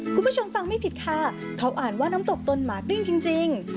คุณผู้ชมฟังไม่ผิดค่ะเขาอ่านว่าน้ำตกตนหมากลิ้งจริง